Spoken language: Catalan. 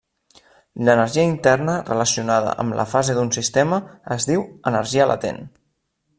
L'energia interna relacionada amb la fase d'un sistema es diu energia latent.